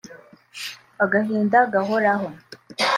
agahinda gahoraho